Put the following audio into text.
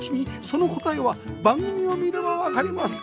その答えは番組を見ればわかります